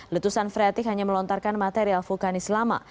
letusan freatik hanya melontarkan material vulkanis lama